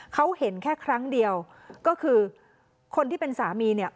เขาเห็นแค่ครั้งเดียวก็คือคนที่เป็นสามีเนี่ย